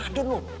bisa diadun loh